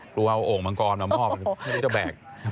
กลัวว่าโอ้งมังกรมันมอบให้พี่ตูแบก